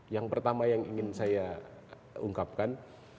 yang pertama yang ingin saya ungkapkan